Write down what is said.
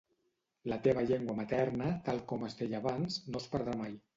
La teva llengua materna, tal com es deia abans, no es perdrà mai.